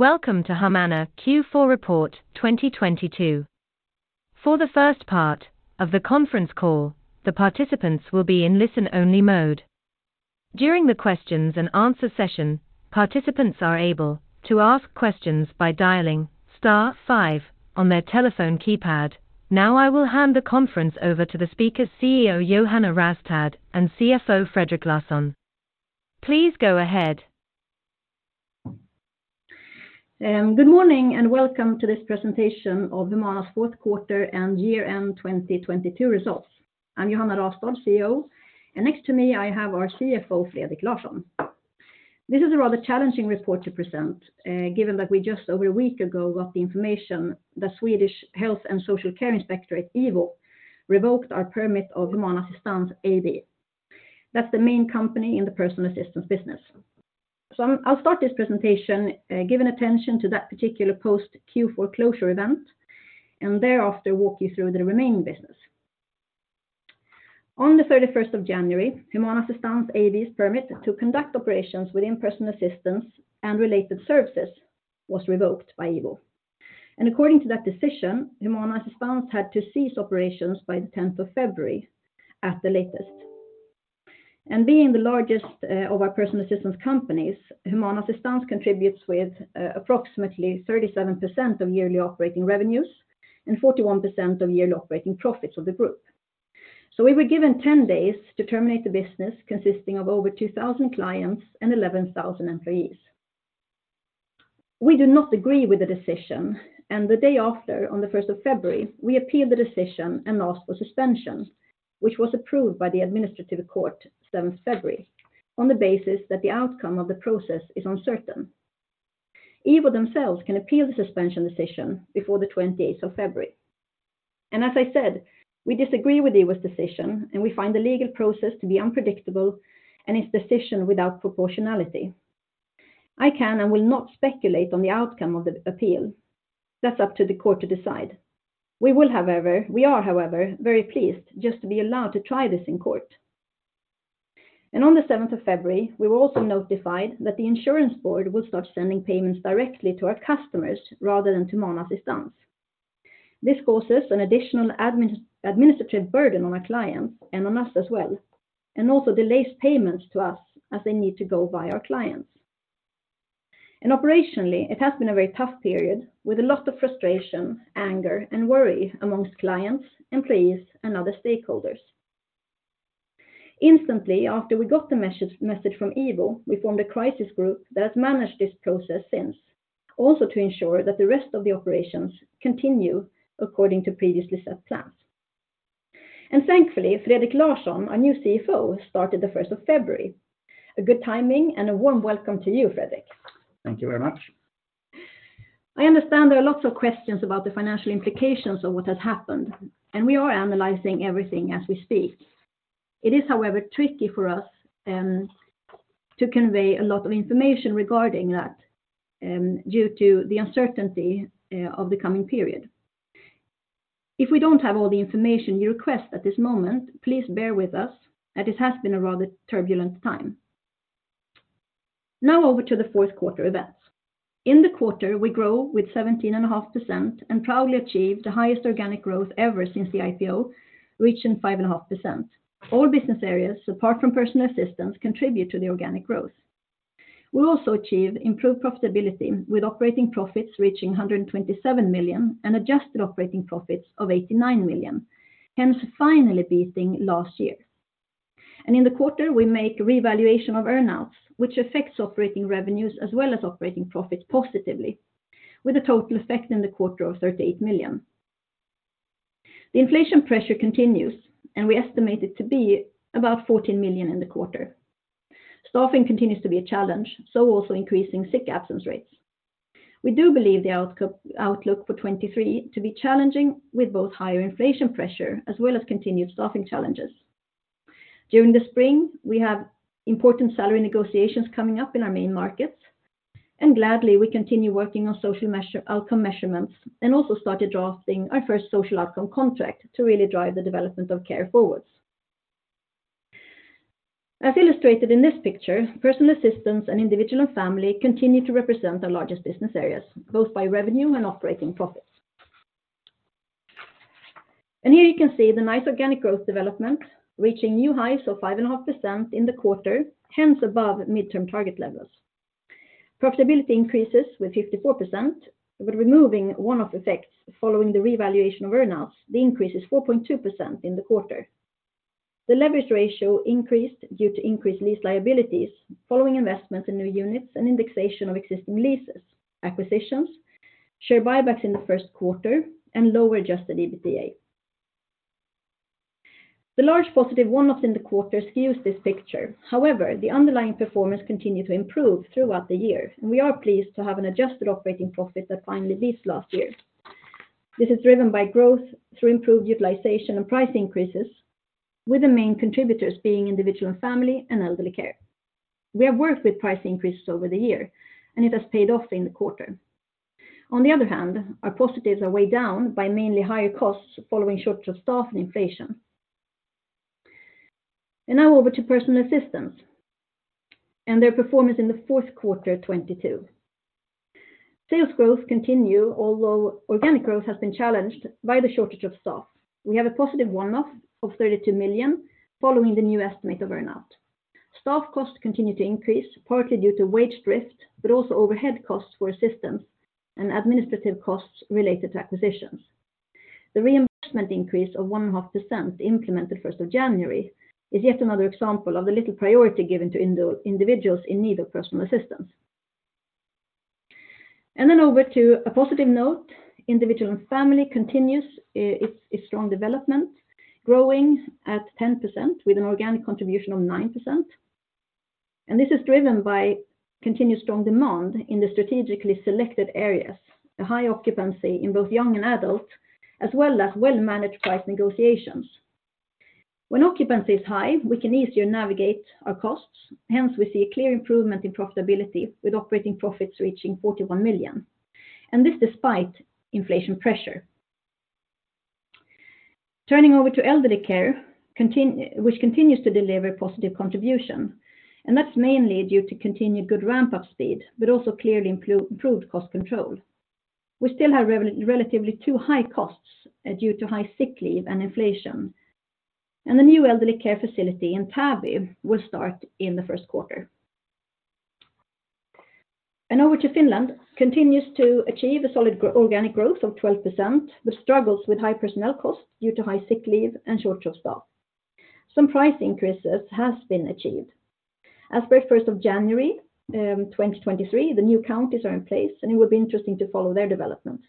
Welcome to Humana Q4 Report 2022. For the first part of the conference call, the participants will be in listen-only mode. During the questions and answer session, participants are able to ask questions by dialing star 5 on their telephone keypad. I will hand the conference over to the speakers CEO, Johanna Rastad, and CFO, Fredrik Larsson. Please go ahead. Good morning, and welcome to this presentation of Humana's fourth quarter and year-end 2022 results. I'm Johanna Rastad, CEO, and next to me I have our CFO, Fredrik Larsson. This is a rather challenging report to present, given that we just over a week ago got the information that Swedish Health and Social Care Inspectorate, IVO, revoked our permit of Humana Assistans AB. That's the main company in the Personal Assistance business. I'll start this presentation, giving attention to that particular post Q4 closure event, and thereafter walk you through the remaining business. On the January 31st, Humana Assistans AB's permit to conduct operations within Personal Assistance and related services was revoked by IVO. According to that decision, Humana Assistans had to cease operations by the February 10th at the latest. Being the largest of our personal assistance companies, Humana Assistans contributes with approximately 37% of yearly operating revenues and 41% of yearly operating profits of the group. We were given 10 days to terminate the business consisting of over 2,000 clients and 11,000 employees. We do not agree with the decision. The day after, on February 1st, we appealed the decision and asked for suspension, which was approved by the administrative court February 7th on the basis that the outcome of the process is uncertain. IVO themselves can appeal the suspension decision before February 28th. As I said, we disagree with IVO's decision, and we find the legal process to be unpredictable and its decision without proportionality. I can and will not speculate on the outcome of the appeal. That's up to the court to decide. We are, however, very pleased just to be allowed to try this in court. On the February 7th, we were also notified that the insurance board would start sending payments directly to our customers rather than to Humana Assistans. This causes an additional administrative burden on our clients and on us as well, and also delays payments to us as they need to go via our clients. Operationally, it has been a very tough period with a lot of frustration, anger, and worry amongst clients, employees, and other stakeholders. Instantly after we got the message from IVO, we formed a crisis group that has managed this process since. Also to ensure that the rest of the operations continue according to previously set plans. Thankfully, Fredrik Larsson, our new CFO, started the February 1st. A good timing and a warm welcome to you, Fredrik. Thank you very much. I understand there are lots of questions about the financial implications of what has happened. We are analyzing everything as we speak. It is, however, tricky for us to convey a lot of information regarding that due to the uncertainty of the coming period. If we don't have all the information you request at this moment, please bear with us. It has been a rather turbulent time. Over to the fourth quarter events. In the quarter, we grow with 17.5%. We proudly achieve the highest organic growth ever since the IPO, reaching 5.5%. All business areas, apart from Personal Assistance, contribute to the organic growth. We also achieve improved profitability, with operating profits reaching 127 million and adjusted operating profits of 89 million, hence finally beating last year. In the quarter, we make revaluation of earnouts, which affects operating revenues as well as operating profits positively, with a total effect in the quarter of 38 million. The inflation pressure continues, and we estimate it to be about 14 million in the quarter. Staffing continues to be a challenge, also increasing sick absence rates. We do believe the outlook for 2023 to be challenging with both higher inflation pressure as well as continued staffing challenges. During the spring, we have important salary negotiations coming up in our main markets, and gladly, we continue working on social outcome measurements and also started drafting our first social outcome contract to really drive the development of care forwards. As illustrated in this picture, Personal Assistance and Individual & Family continue to represent our largest business areas, both by revenue and operating profits. Here you can see the nice organic growth development, reaching new highs of 5.5% in the quarter, hence above midterm target levels. Profitability increases with 54%, with removing one-off effects following the revaluation of earnouts, the increase is 4.2% in the quarter. The leverage ratio increased due to increased lease liabilities following investments in new units and indexation of existing leases, acquisitions, share buybacks in the first quarter, and lower adjusted EBITDA. The large positive one-off in the quarter skews this picture. However, the underlying performance continued to improve throughout the year, and we are pleased to have an adjusted operating profit that finally beats last year. This is driven by growth through improved utilization and price increases, with the main contributors being Individual & Family and Elderly Care. We have worked with price increases over the year, and it has paid off in the quarter. On the other hand, our positives are weighed down by mainly higher costs following shorter staff and inflation. Now over to Personal Assistance and their performance in the fourth quarter 2022. Sales growth continue, although organic growth has been challenged by the shortage of staff. We have a positive one-off of 32 million following the new estimate of earnouts. Staff costs continue to increase, partly due to wage drift, but also overhead costs for assistance and administrative costs related to acquisitions. The reimbursement increase of 1.5% implemented January 1st is yet another example of the little priority given to individuals in need of Personal Assistance. Over to a positive note, Individual & Family continues its strong development, growing at 10% with an organic contribution of 9%. This is driven by continued strong demand in the strategically selected areas, a high occupancy in both young and adult, as well as well-managed price negotiations. When occupancy is high, we can easier navigate our costs. Hence, we see a clear improvement in profitability, with operating profits reaching 41 million, and this despite inflation pressure. Turning over to Elderly Care continues to deliver positive contribution, and that's mainly due to continued good ramp-up speed, but also clearly improved cost control. We still have relatively too high costs due to high sick leave and inflation. The new Elderly Care facility in Täby will start in the first quarter. Over to Finland continues to achieve a solid organic growth of 12%, with struggles with high personnel costs due to high sick leave and short of staff. Some price increases has been achieved. As for January 1st, 2023, the new counties are in place, and it will be interesting to follow their development.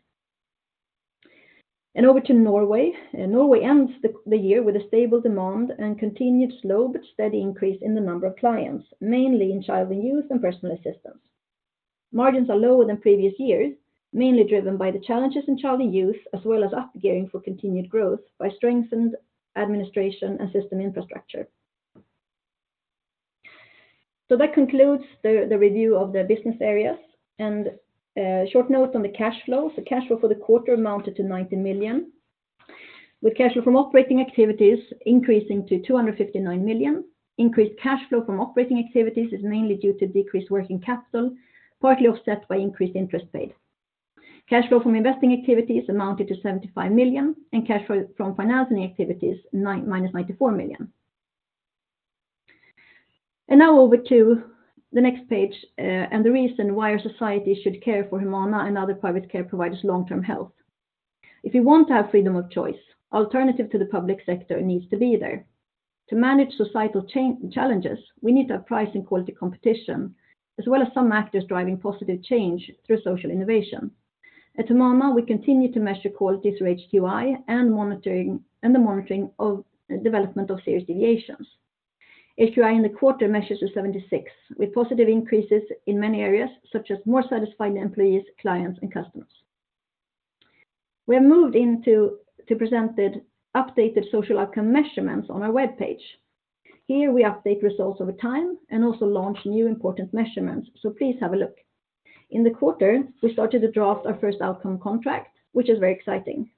Over to Norway. Norway ends the year with a stable demand and continued slow but steady increase in the number of clients, mainly in Child and Youth and Personal Assistance. Margins are lower than previous years, mainly driven by the challenges in Child and Youth, as well as up-gearing for continued growth by strengthened administration and system infrastructure. That concludes the review of the business areas. Short note on the cash flow. The cash flow for the quarter amounted to 90 million, with cash flow from operating activities increasing to 259 million. Increased cash flow from operating activities is mainly due to decreased working capital, partly offset by increased interest paid. Cash flow from investing activities amounted to 75 million, and cash flow from financing activities -94 million. Now over to the next page, and the reason why our society should care for Humana and other private care providers long-term health. If you want to have freedom of choice, alternative to the public sector needs to be there. To manage societal challenges, we need to have price and quality competition, as well as some actors driving positive change through social innovation. At Humana, we continue to measure quality through HQI and monitoring, and the monitoring of development of serious deviations. HQI in the quarter measures to 76, with positive increases in many areas, such as more satisfying employees, clients and customers. We have moved into to present the updated social outcome measurements on our webpage. Here we update results over time and also launch new important measurements, so please have a look. In the quarter, we started to draft our first outcome contract, which is very exciting.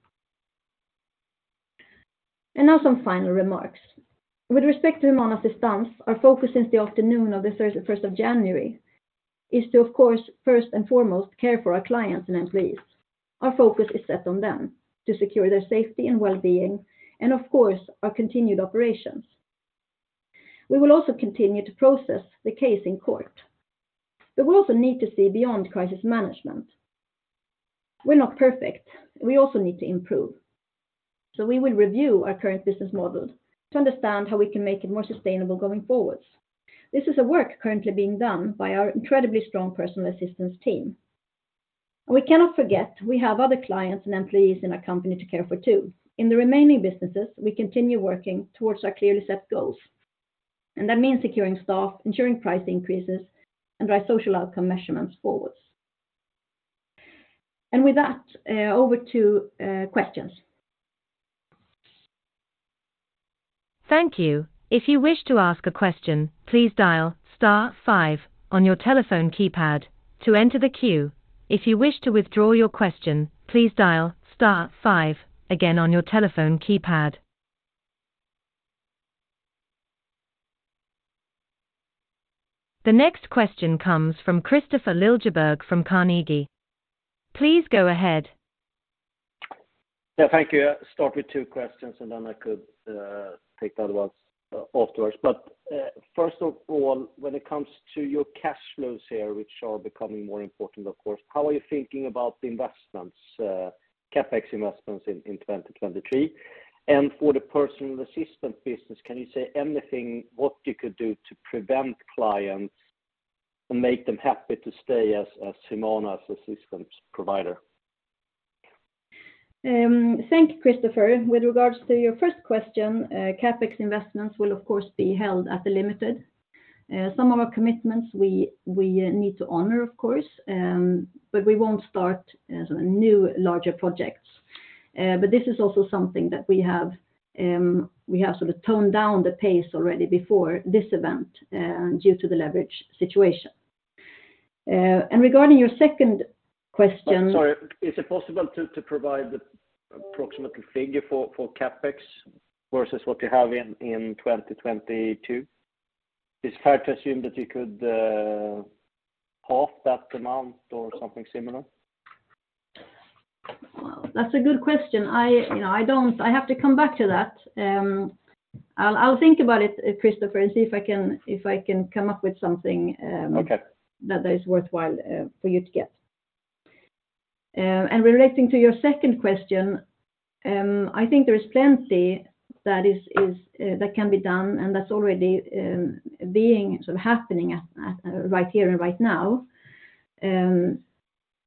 Now some final remarks. With respect to Humana Assistans, our focus since the afternoon of the January 31st is to, of course, first and foremost, care for our clients and employees. Our focus is set on them to secure their safety and well-being and, of course, our continued operations. We will also continue to process the case in court. We also need to see beyond crisis management. We're not perfect. We also need to improve. We will review our current business model to understand how we can make it more sustainable going forwards. This is a work currently being done by our incredibly strong personal assistance team. We cannot forget we have other clients and employees in our company to care for, too. In the remaining businesses, we continue working towards our clearly set goals, that means securing staff, ensuring price increases, and drive social outcome measurements forwards. With that, over to questions. Thank you. If you wish to ask a question, please dial star five on your telephone keypad to enter the queue. If you wish to withdraw your question, please dial star five again on your telephone keypad. The next question comes from Kristofer Liljeberg from Carnegie. Please go ahead. Yeah, thank you. Start with two questions, then I could take the other ones afterwards. First of all, when it comes to your cash flows here, which are becoming more important, of course, how are you thinking about the investments, CapEx investments in 2023? For the personal assistant business, can you say anything what you could do to prevent clients and make them happy to stay as Humana's assistance provider? Thank you, Kristofer. With regards to your first question, CapEx investments will, of course, be held at the limited. Some of our commitments we need to honor, of course, but we won't start sort of new larger projects. This is also something that we have, we have sort of toned down the pace already before this event, due to the leverage situation. Regarding your second question- Sorry, is it possible to provide the approximate figure for CapEx versus what you have in 2022? It's fair to assume that you could half that amount or something similar. Well, that's a good question. I, you know, I have to come back to that. I'll think about it, Kristofer, and see if I can come up with something. that is worthwhile for you to get. Relating to your second question, I think there is plenty that is that can be done, and that's already being sort of happening right here and right now.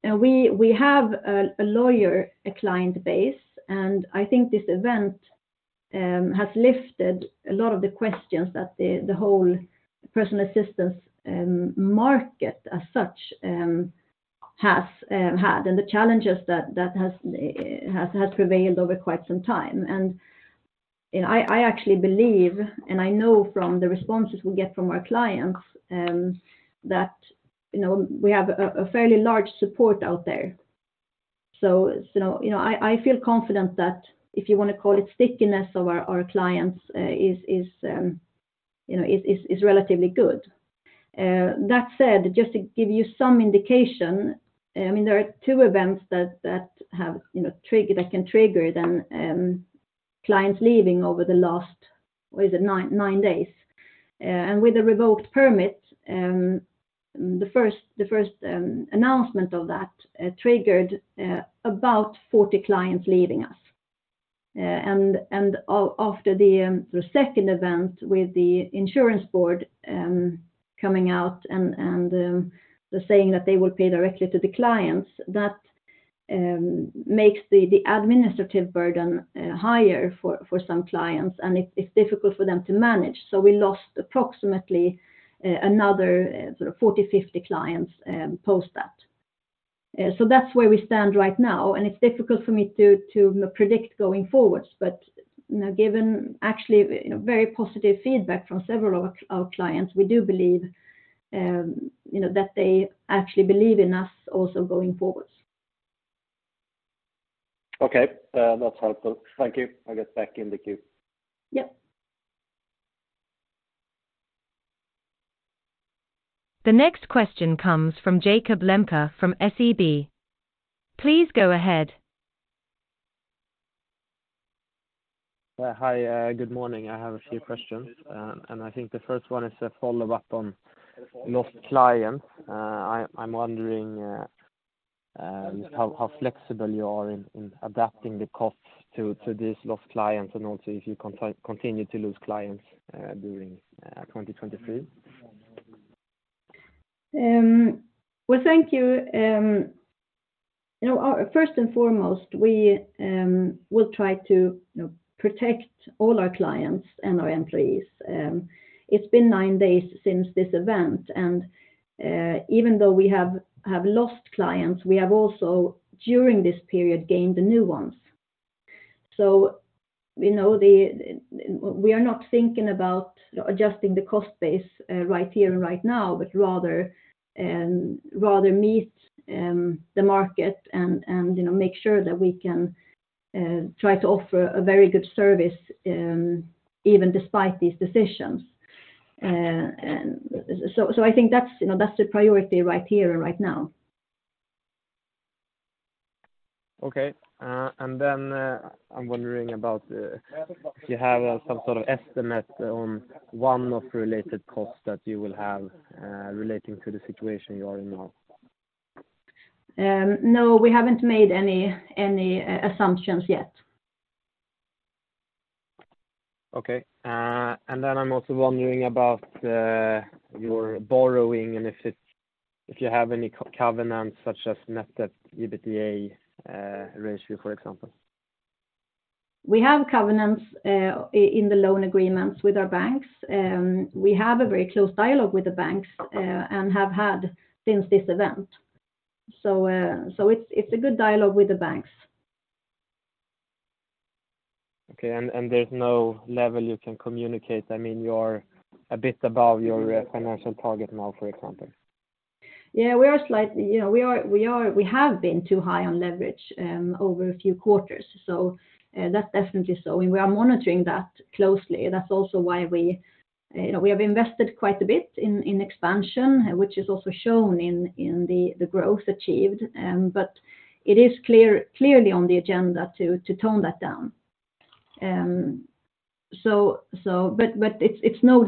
We have a lawyer, a client base, and I think this event has lifted a lot of the questions that the whole Personal Assistance market as such has had, and the challenges that has prevailed over quite some time. You know, I actually believe, and I know from the responses we get from our clients, that, you know, we have a fairly large support out there. you know, you know, I feel confident that if you wanna call it stickiness of our clients, is, you know, is relatively good. That said, just to give you some indication, I mean, there are two events that have, you know, that can trigger them, clients leaving over the last, what is it, nine days. With the revoked permit, the first, the first announcement of that, triggered about 40 clients leaving us. After the second event with the insurance board, coming out and saying that they will pay directly to the clients, that makes the administrative burden higher for some clients, and it's difficult for them to manage. We lost approximately another 40, 50 clients post that. That's where we stand right now, and it's difficult for me to predict going forward. You know, given actually, you know, very positive feedback from several of our clients, we do believe, you know, that they actually believe in us also going forward. Okay. That's helpful. Thank you. I'll get back in the queue. The next question comes from Jakob Lembke from SEB. Please go ahead. Hi. Good morning. I have a few questions. I think the first one is a follow-up on lost clients. I'm wondering, how flexible you are in adapting the costs to these lost clients, and also if you continue to lose clients, during 2023. Well, thank you. You know, first and foremost, we will try to, you know, protect all our clients and our employees. It's been nine days since this event, and even though we have lost clients, we have also, during this period, gained the new ones. We are not thinking about adjusting the cost base right here and right now, but rather meet the market and, you know, make sure that we can try to offer a very good service even despite these decisions. I think that's, you know, that's the priority right here and right now. Okay. I'm wondering about, if you have some sort of estimate on one-off related costs that you will have, relating to the situation you are in now. no, we haven't made any assumptions yet. Okay. I'm also wondering about your borrowing and if you have any co-covenants such as net debt, EBITDA, ratio, for example. We have covenants, in the loan agreements with our banks. We have a very close dialogue with the banks, and have had since this event. It's a good dialogue with the banks. Okay. There's no level you can communicate. I mean, you're a bit above your financial target now, for example. We are slightly... You know, We have been too high on leverage over a few quarters. That's definitely so. We are monitoring that closely. That's also why we, you know, we have invested quite a bit in expansion, which is also shown in the growth achieved. It is clearly on the agenda to tone that down. It's no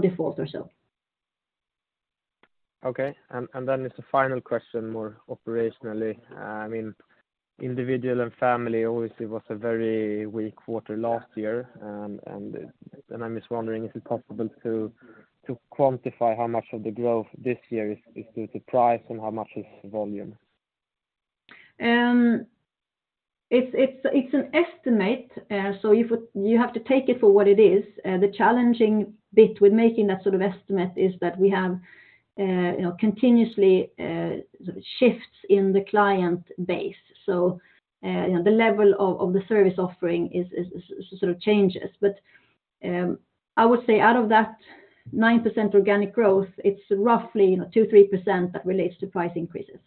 default or so. Okay. Then as a final question, more operationally. I mean, Individual & Family obviously was a very weak quarter last year. I'm just wondering, is it possible to quantify how much of the growth this year is due to price and how much is volume? It's an estimate, so you have to take it for what it is. The challenging bit with making that sort of estimate is that we have, you know, continuously, sort of shifts in the client base. You know, the level of the service offering is, sort of changes. I would say out of that 9% organic growth, it's roughly, you know, 2%-3% that relates to price increases.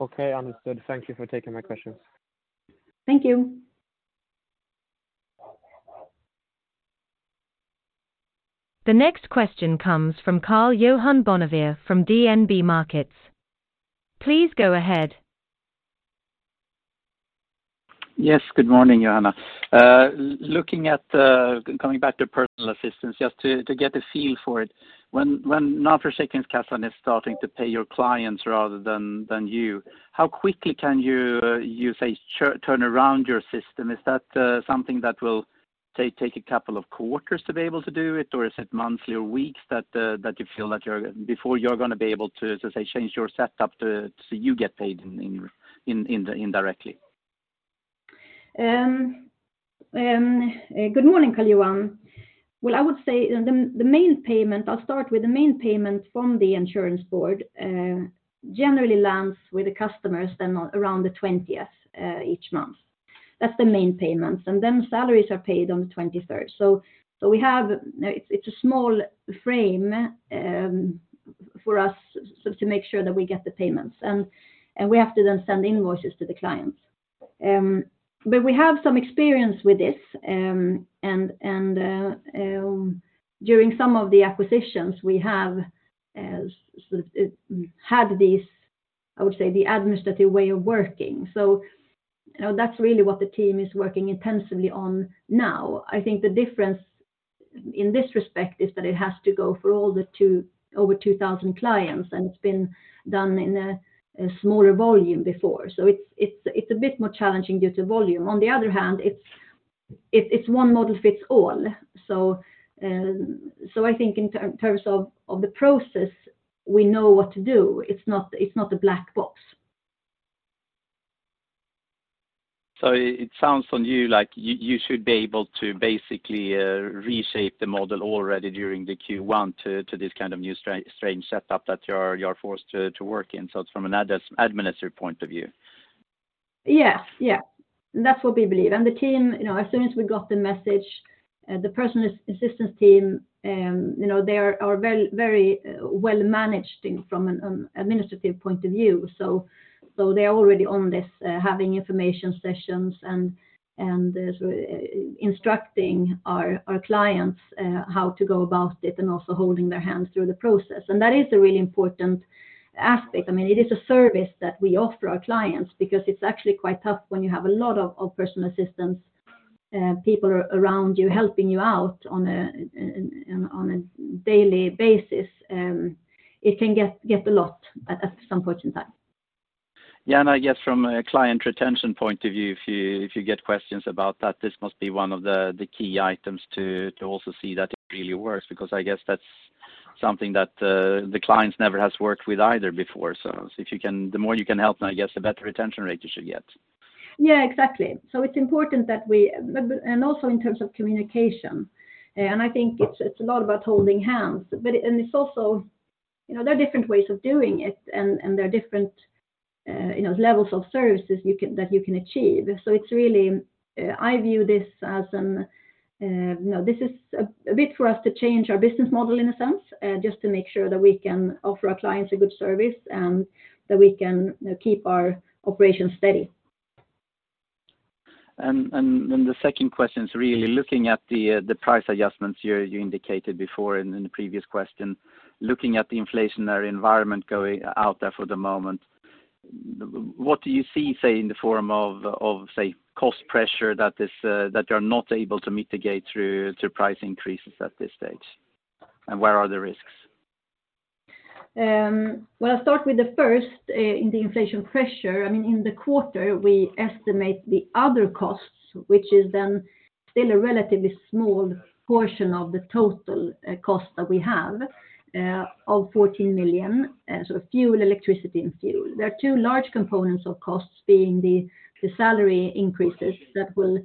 Okay, understood. Thank you for taking my questions. Thank you. The next question comes from Karl-Johan Bonnevier from DNB Markets. Please go ahead. Yes, good morning, Johanna. Coming back to Personal Assistance, just to get a feel for it. When Försäkringskassan is starting to pay your clients rather than you, how quickly can you say, turn around your system? Is that something that will, say, take a couple of quarters to be able to do it, or is it monthly or weeks that you feel before you're gonna be able to, as I say, change your setup to, so you get paid in indirectly? Good morning, Karl-Johan. Well, I would say the main payment. I'll start with the main payment from the Social Insurance Agency, generally lands with the customers around the 20th each month. That's the main payments. Salaries are paid on the 23rd. It's a small frame for us to make sure that we get the payments. We have to then send invoices to the clients. We have some experience with this. During some of the acquisitions we have, so it had this, I would say, the administrative way of working. You know, that's really what the team is working intensively on now. I think the difference in this respect is that it has to go through all the over 2,000 clients, and it's been done in a smaller volume before. It's a bit more challenging due to volume. On the other hand, it's one model fits all. I think in terms of the process, we know what to do. It's not a black box. It sounds from you like you should be able to basically reshape the model already during the Q1 to this kind of new strange setup that you're forced to work in. It's from an administrative point of view. Yeah. Yeah. That's what we believe. The team, you know, as soon as we got the message, the Personal Assistance team, you know, they are very, very well managed from an administrative point of view. They are already on this, having information sessions and instructing our clients how to go about it and also holding their hands through the process. That is a really important aspect. I mean, it is a service that we offer our clients because it's actually quite tough when you have a lot of personal assistants, people around you helping you out on a daily basis. It can get a lot at some point in time. Yeah. I guess from a client retention point of view, if you, if you get questions about that, this must be one of the key items to also see that it really works because I guess that's something that the clients never has worked with either before. The more you can help, I guess the better retention rate you should get. Yeah, exactly. It's important that we. Also in terms of communication. I think it's a lot about holding hands. It's also, you know, there are different ways of doing it, and there are different, you know, levels of services that you can achieve. It's really. I view this as an. You know, this is a bit for us to change our business model in a sense, just to make sure that we can offer our clients a good service and that we can, you know, keep our operations steady. Then the second question is really looking at the price adjustments you indicated before in the previous question. Looking at the inflationary environment going out there for the moment, what do you see, say, in the form of, say, cost pressure that is that you're not able to mitigate through price increases at this stage? Where are the risks? Well, I'll start with the first in the inflation pressure. I mean, in the quarter, we estimate the other costs, which is then still a relatively small portion of the total cost that we have of 14 million. Fuel, electricity and fuel. There are two large components of costs being the salary increases that will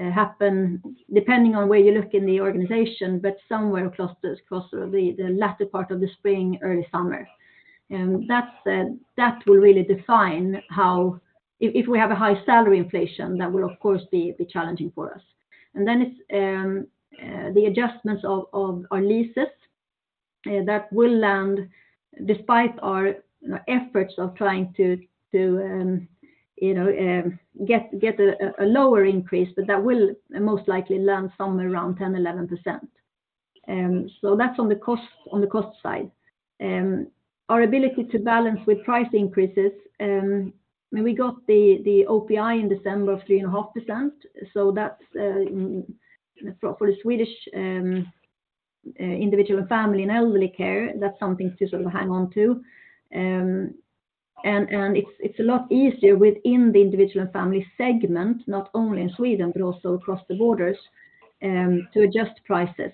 happen depending on where you look in the organization, but somewhere across the latter part of the spring, early summer. That will really define how. If we have a high salary inflation, that will of course be challenging for us. Then it's the adjustments of our leases that will land despite our efforts of trying to get a lower increase, but that will most likely land somewhere around 10%-11%. That's on the cost side. Our ability to balance with price increases, when we got the OPI in December of 3.5%, so that's for the Swedish Individual & Family and Elderly Care, that's something to sort of hang on to. And it's a lot easier within the Individual & Family segment, not only in Sweden, but also across the borders, to adjust prices.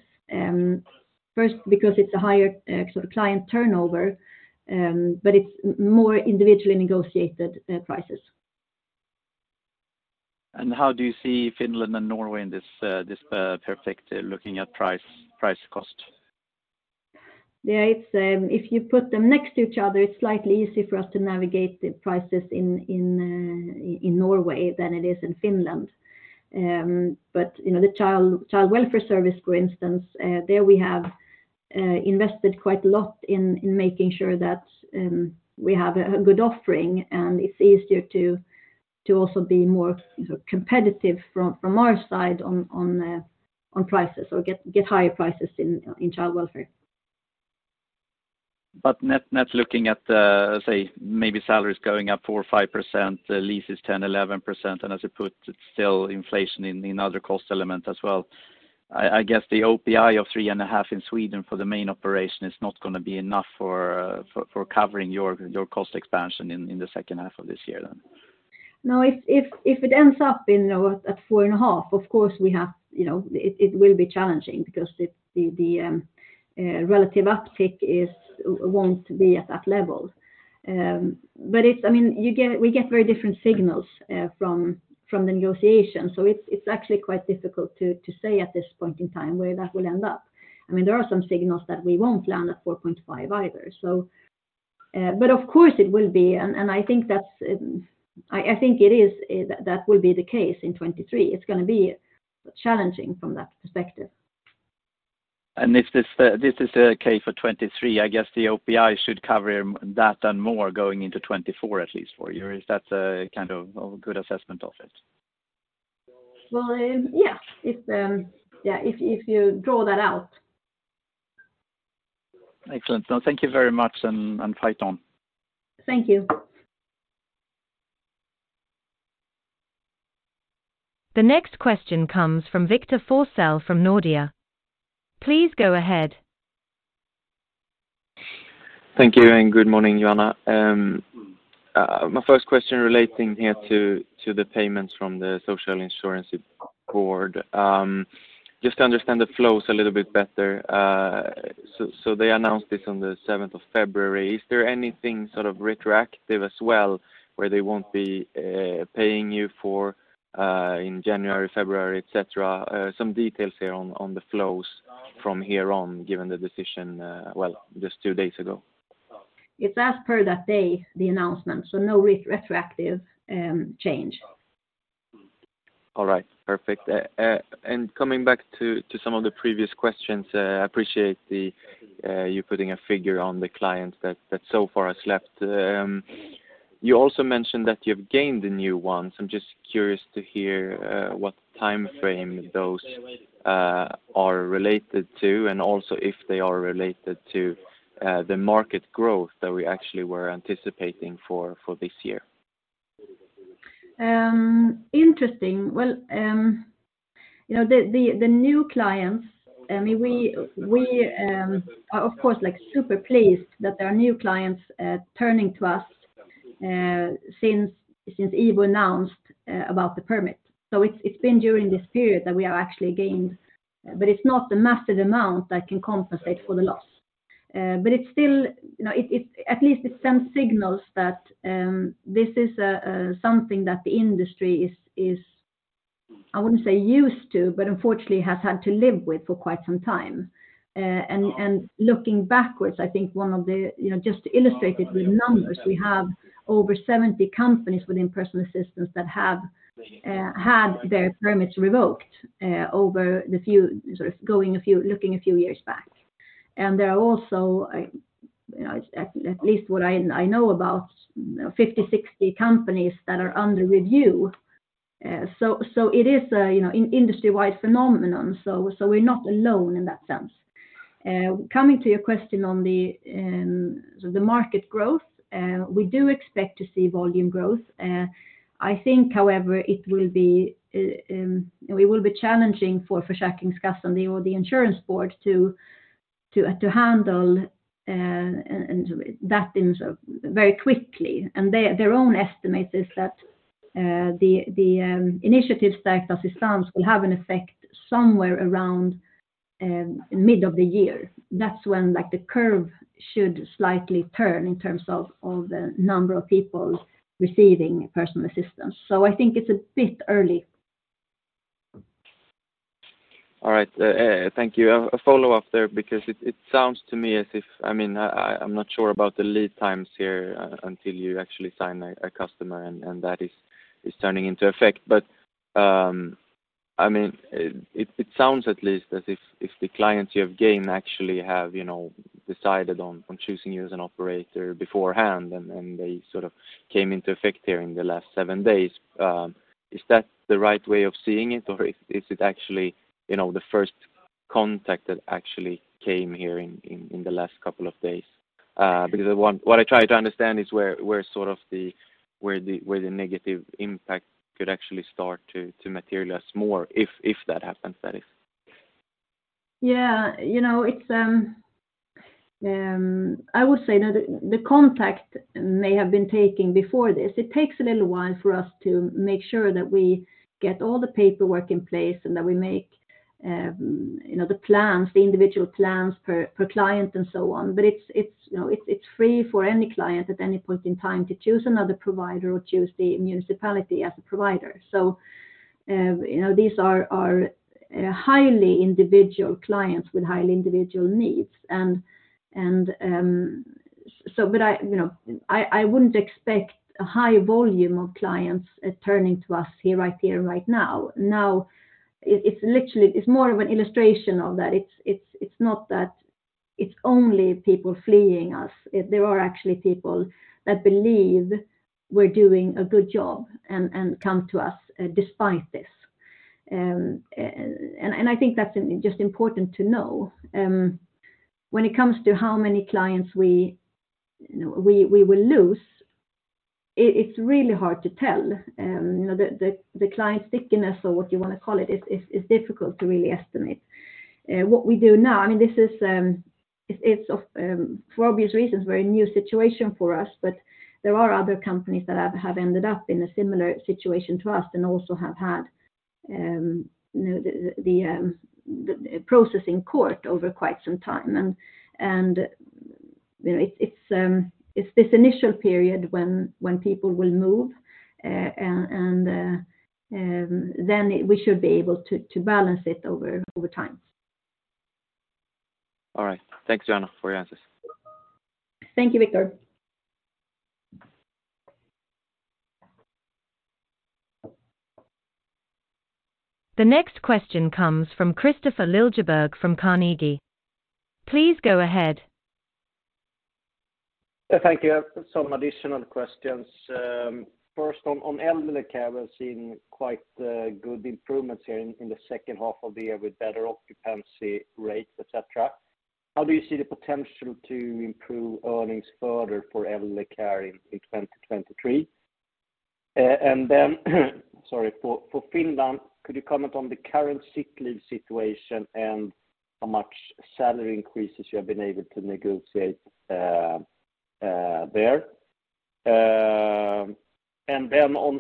First because it's a higher sort of client turnover, but it's more individually negotiated prices. How do you see Finland and Norway in this perspective looking at price cost? It's if you put them next to each other, it's slightly easy for us to navigate the prices in Norway than it is in Finland. You know, the child welfare service, for instance, there we have invested quite a lot in making sure that we have a good offering, and it's easier to also be more competitive from our side on prices or get higher prices in child welfare. Net, net looking at the, say, maybe salaries going up 4% or 5%, the lease is 10%, 11%, and as you put, it's still inflation in other cost elements as well. I guess the OPI of 3.5 in Sweden for the main operation is not gonna be enough for covering your cost expansion in the second half of this year then. No, if it ends up at 4.5, of course, we have, you know, it will be challenging because the relative uptick won't be at that level. I mean, we get very different signals from the negotiation. It's actually quite difficult to say at this point in time where that will end up. I mean, there are some signals that we won't land at 4.5 either. But of course it will be. I think that's, I think it is, that will be the case in 2023. It's gonna be challenging from that perspective. If this is the case for 2023, I guess the OPI should cover that and more going into 2024 at least for you. Is that a kind of a good assessment of it? Well, yeah. If, yeah, if you draw that out. Excellent. No, thank you very much and fight on. Thank you. The next question comes from Victor Forssell from Nordea. Please go ahead. Thank you and good morning, Johanna. My first question relating here to the payments from the Social Insurance Agency. Just to understand the flows a little bit better. They announced this on the February 7th. Is there anything sort of retroactive as well where they won't be paying you for in January, February, et cetera? Some details here on the flows from here on, given the decision, well, just two days ago. It's as per that day, the announcement, so no retroactive change. All right. Perfect. Coming back to some of the previous questions, I appreciate you putting a figure on the clients that so far has left. You also mentioned that you've gained the new ones. I'm just curious to hear what time frame those are related to, and also if they are related to the market growth that we actually were anticipating for this year. Interesting. Well, you know, the new clients, I mean, we are of course, like super pleased that there are new clients turning to us since IVO announced about the permit. It's been during this period that we have actually gained, but it's not a massive amount that can compensate for the loss. It's still, you know, it at least it sends signals that this is something that the industry is I wouldn't say used to, but unfortunately has had to live with for quite some time. Looking backwards, I think one of the, you know, just to illustrate it with numbers, we have over 70 companies within Personal Assistance that have had their permits revoked looking a few years back. There are also, you know, at least what I know about 50, 60 companies that are under review. It is a, you know, industry-wide phenomenon. We're not alone in that sense. Coming to your question on the market growth, we do expect to see volume growth. I think, however, it will be challenging for Försäkringskassans or the Insurance Board to handle very quickly. Their own estimate is that the initiatives that exists will have an effect somewhere around mid of the year. That's when, like, the curve should slightly turn in terms of the number of people receiving personal assistance. I think it's a bit early. All right. Thank you. A follow-up there because it sounds to me as if, I mean, I'm not sure about the lead times here until you actually sign a customer and that is turning into effect. I mean, it sounds at least as if the clients you have gained actually have, you know, decided on choosing you as an operator beforehand and they sort of came into effect here in the last seven days. Is that the right way of seeing it, or is it actually, you know, the first contact that actually came here in the last couple of days? Because what I try to understand is where the negative impact could actually start to materialize more if that happens, that is. Yeah. You know, it's, I would say now the contact may have been taking before this. It takes a little while for us to make sure that we get all the paperwork in place and that we make, you know, the plans, the individual plans per client and so on. It's, you know, it's free for any client at any point in time to choose another provider or choose the municipality as a provider. You know, these are highly individual clients with highly individual needs. But I, you know, I wouldn't expect a high volume of clients turning to us here, right here and right now. Now, it's literally more of an illustration of that. It's not that it's only people fleeing us. There are actually people that believe we're doing a good job and come to us despite this. I think that's just important to know. When it comes to how many clients we, you know, we will lose, it's really hard to tell. You know, the client stickiness or what you wanna call it is difficult to really estimate. What we do now, I mean, this is. It's for obvious reasons, very new situation for us, there are other companies that have ended up in a similar situation to us and also have had, you know, the processing court over quite some time. You know, it's this initial period when people will move, and then we should be able to balance it over time. All right. Thanks, Johanna, for your answers. Thank you, Victor. The next question comes from Kristofer Liljeberg from Carnegie. Please go ahead. Yeah, thank you. I have some additional questions. First on Elderly Care, we're seeing quite good improvements here in the second half of the year with better occupancy rates, et cetera. How do you see the potential to improve earnings further for Elderly Care in 2023? Sorry, for Finland, could you comment on the current sick leave situation and how much salary increases you have been able to negotiate there?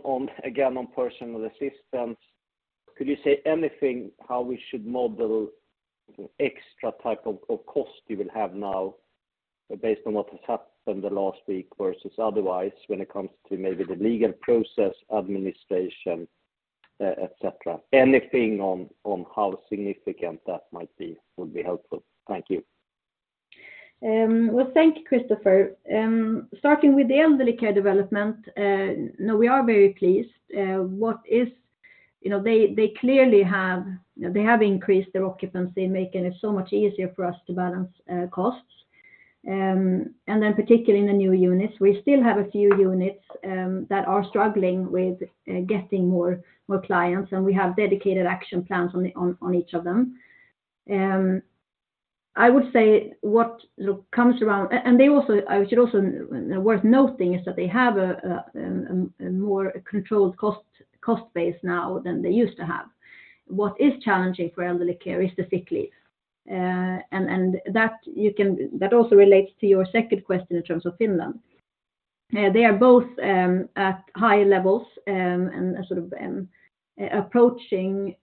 On again on Personal Assistance, could you say anything how we should model extra type of cost you will have now based on what has happened the last week versus otherwise when it comes to maybe the legal process, administration, et cetera? Anything on how significant that might be would be helpful. Thank you. Well, thank you, Kristofer. Starting with the Elderly Care development, no, we are very pleased. You know, they clearly have increased their occupancy, making it so much easier for us to balance costs. Particularly in the new units, we still have a few units that are struggling with getting more clients, and we have dedicated action plans on each of them. I would say what comes around... They also, worth noting, is that they have a more controlled cost base now than they used to have. What is challenging for Elderly Care is the sick leave. That also relates to your second question in terms of Finland. They are both at high levels and sort of approaching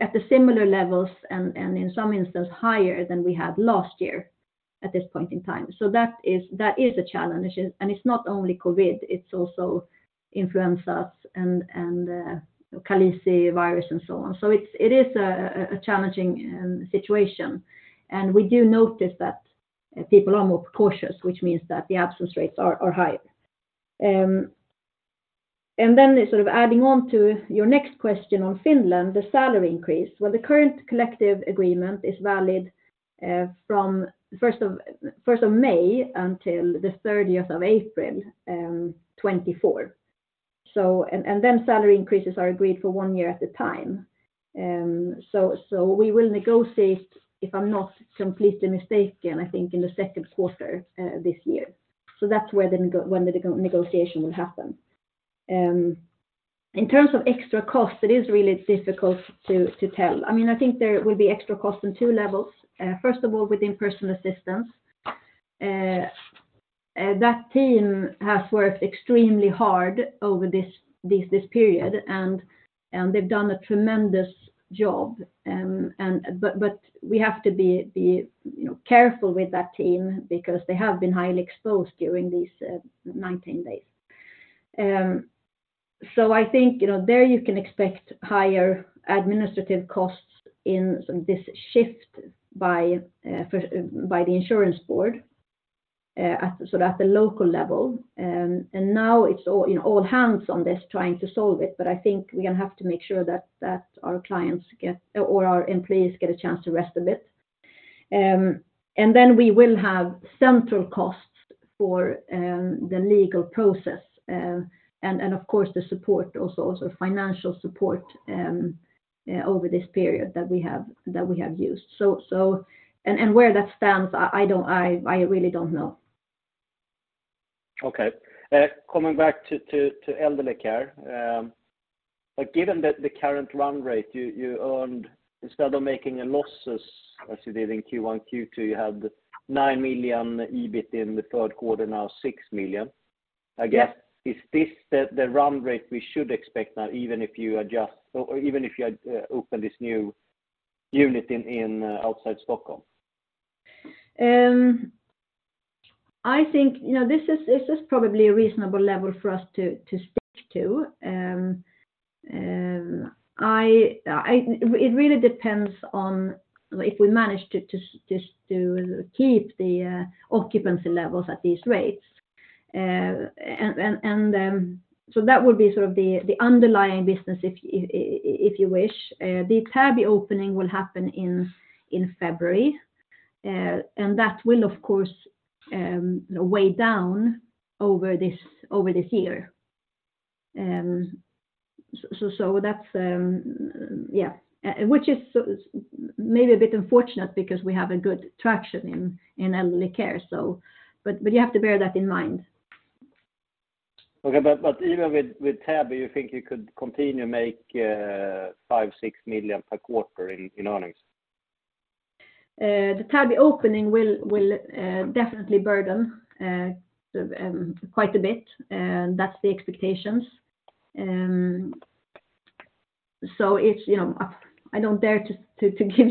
at the similar levels and in some instances higher than we had last year at this point in time. That is a challenge. It's not only COVID, it's also influenzas and calicivirus and so on. It is a challenging situation. We do notice that people are more precautious, which means that the absence rates are higher. Then sort of adding on to your next question on Finland, the salary increase. Well, the current collective agreement is valid from May 1st until the April 30th, 2024. Salary increases are agreed for one year at a time. We will negotiate, if I'm not completely mistaken, I think in the second quarter, this year. That's when the negotiation will happen. In terms of extra costs, it is really difficult to tell. I mean, I think there will be extra costs on two levels. First of all, within Personal Assistance. That team has worked extremely hard over this period, and they've done a tremendous job. We have to be, you know, careful with that team because they have been highly exposed during these 19 days. I think, you know, there you can expect higher administrative costs in this shift by the insurance board, at the local level. Now it's all, you know, all hands on this trying to solve it. I think we're gonna have to make sure that our clients or our employees get a chance to rest a bit. Then we will have central costs for the legal process, and of course, the support also financial support, over this period that we have used. Where that stands, I really don't know. Okay. Coming back to Elderly Care. Given that the current run rate you earned, instead of making a losses as you did in Q1, Q2, you had 9 million EBIT in the third quarter, now 6 million. I guess, is this the run rate we should expect now, even if you adjust or even if you open this new unit in outside Stockholm? I think, you know, this is probably a reasonable level for us to stick to. It really depends on if we manage to keep the occupancy levels at these rates. So that would be sort of the underlying business if you wish. The Täby opening will happen in February. That will of course weigh down over this, over this year. So that's yeah. Which is maybe a bit unfortunate because we have a good traction in Elderly Care, so... You have to bear that in mind. Okay. Even with Täby, you think you could continue to make 5 million, SEK 6 million per quarter in earnings? The Täby opening will definitely burden quite a bit, that's the expectations. It's, you know, I don't dare to give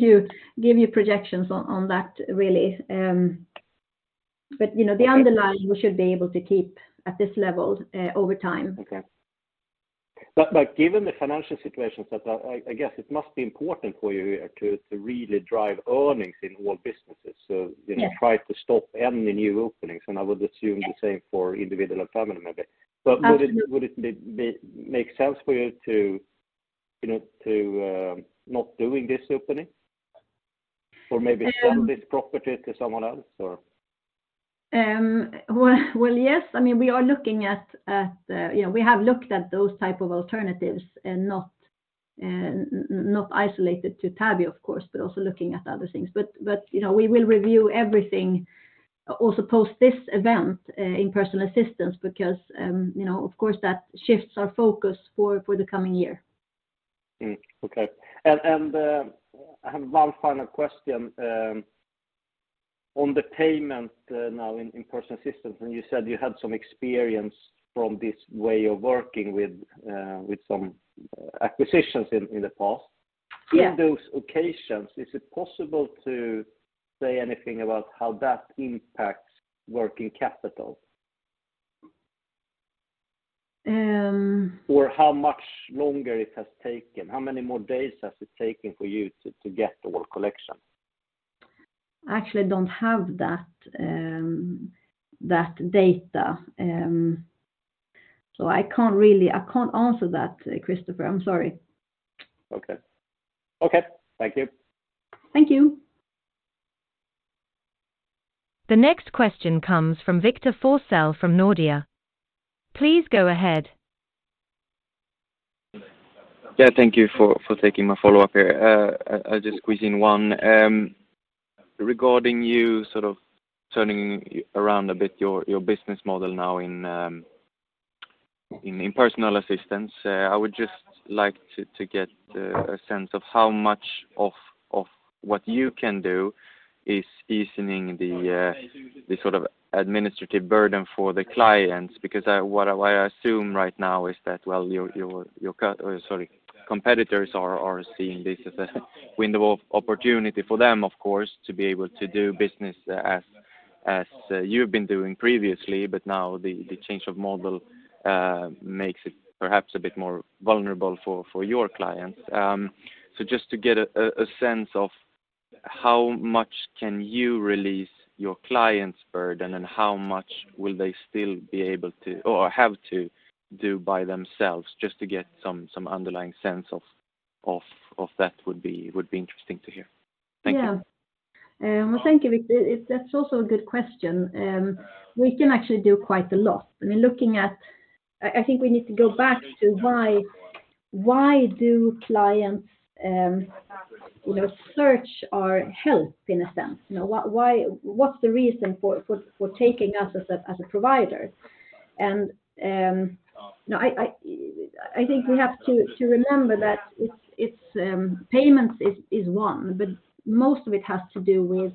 you projections on that really. You know, the underlying we should be able to keep at this level over time. Okay. But given the financial situation that I guess it must be important for you to really drive earnings in all businesses.... you know, try to stop any new openings, and I would assume the same for Individual & Family members. Absolutely. Would it make sense for you to, you know, to not doing this opening? Or maybe sell this property to someone else, or? well, yes. I mean, we are looking at. You know, we have looked at those type of alternatives. Not isolated to Täby of course, but also looking at other things. You know, we will review everything also post this event in Personal Assistance because, you know, of course that shifts our focus for the coming year. Okay. I have one final question on the payment now in Personal Assistance. You said you had some experience from this way of working with some acquisitions in the past. Yes. In those occasions, is it possible to say anything about how that impacts working capital? How much longer it has taken? How many more days has it taken for you to get the whole collection? I actually don't have that data. I can't answer that, Kristofer. I'm sorry. Okay. Okay. Thank you. Thank you. The next question comes from Victor Forssell from Nordea. Please go ahead. Yeah, thank you for taking my follow-up here. I'll just squeeze in one. Regarding you sort of turning around a bit your business model now in Personal Assistance, I would just like to get a sense of how much of what you can do is easing the sort of administrative burden for the clients. What I assume right now is that, well, your competitors are seeing this as a window of opportunity for them, of course, to be able to do business as you've been doing previously. Now the change of model makes it perhaps a bit more vulnerable for your clients. Just to get a sense of how much can you release your clients' burden, and how much will they still be able to or have to do by themselves, just to get some underlying sense of that would be interesting to hear. Thank you. Yeah. Well, thank you, Victor. That's also a good question. We can actually do quite a lot. I mean, looking at... I think we need to go back to why do clients, you know, search our help in a sense? You know, why, what's the reason for taking us as a provider? No, I think we have to remember that it's, payments is one, but most of it has to do with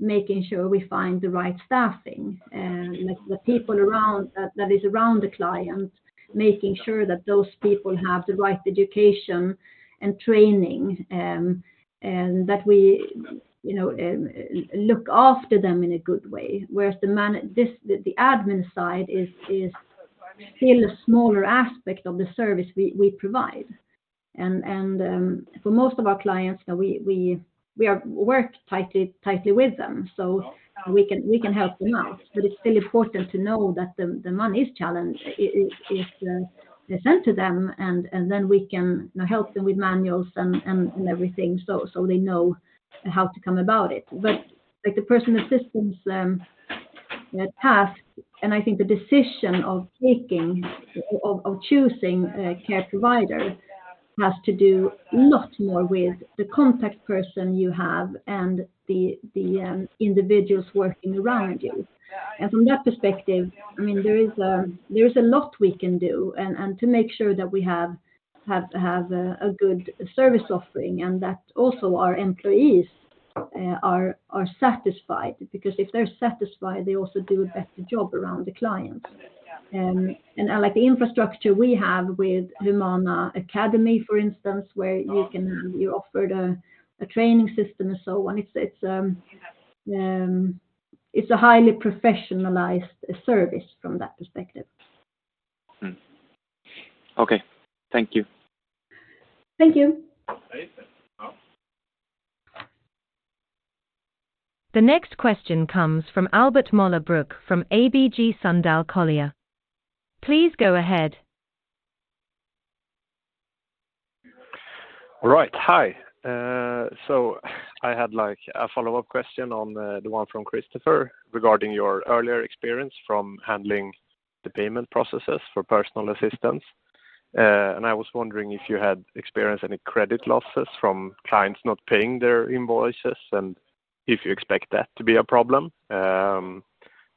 making sure we find the right staffing. Like the people around that is around the client, making sure that those people have the right education and training, and that we, you know, look after them in a good way. Whereas the admin side is still a smaller aspect of the service we provide. For most of our clients, you know, we work tightly with them, so we can help them out. It's still important to know that the money's challenge is presented to them, then we can, you know, help them with manuals and everything so they know how to come about it. Like the Personal Assistance task, I think the decision of choosing a care provider has to do a lot more with the contact person you have and the individuals working around you. From that perspective, I mean, there is a lot we can do to make sure that we have a good service offering and that also our employees are satisfied. If they're satisfied, they also do a better job around the client. Like the infrastructure we have with Humana Academy, for instance, where you're offered a training system and so on, it's a highly professionalized service from that perspective. Okay. Thank you. Thank you. The next question comes from Albert Möller Broock from ABG Sundal Collier. Please go ahead. All right. Hi. So I had, like, a follow-up question on the one from Kristofer regarding your earlier experience from handling the payment processes for Personal Assistance. I was wondering if you had experienced any credit losses from clients not paying their invoices and if you expect that to be a problem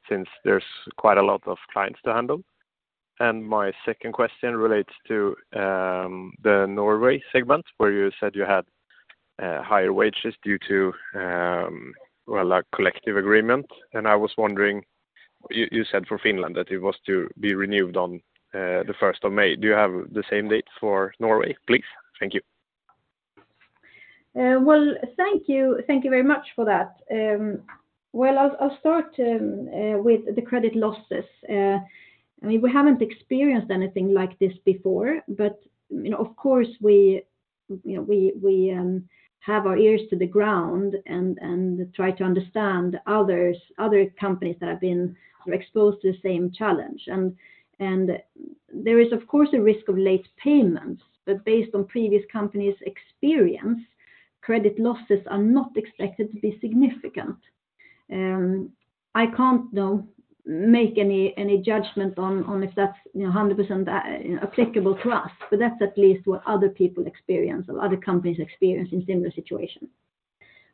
since there's quite a lot of clients to handle. My second question relates to the Norway segment where you said you had higher wages due to, well, a collective agreement. I was wondering, you said for Finland that it was to be renewed on the first of May. Do you have the same date for Norway, please? Thank you. Well, thank you. Thank you very much for that. Well, I'll start with the credit losses. I mean, we haven't experienced anything like this before, but, you know, of course, we, you know, we have our ears to the ground and try to understand others, other companies that have been exposed to the same challenge. There is, of course, a risk of late payments, but based on previous companies' experience, credit losses are not expected to be significant. I can't, though, make any judgment on if that's, you know, 100% applicable to us, but that's at least what other people experience or other companies experience in similar situations.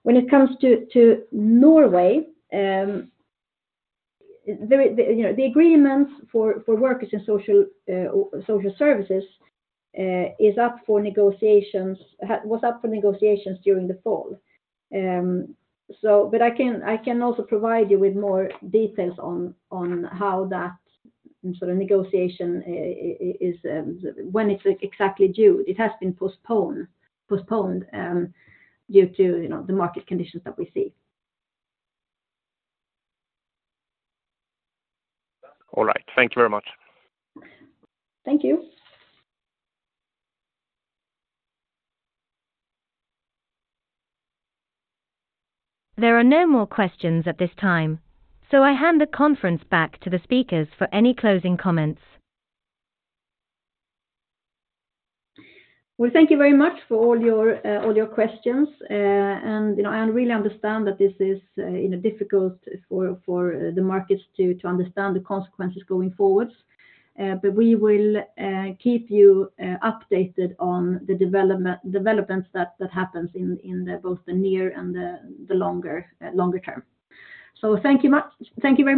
When it comes to Norway, you know, the agreements for workers and social services was up for negotiations during the fall. I can also provide you with more details on how that sort of negotiation is when it's exactly due. It has been postponed due to, you know, the market conditions that we see. All right. Thank you very much. Thank you. There are no more questions at this time, so I hand the conference back to the speakers for any closing comments. Well, thank you very much for all your, all your questions. You know, I really understand that this is, you know, difficult for the markets to understand the consequences going forward. We will, keep you, updated on the developments that happens in the both the near and the longer term. Thank you very much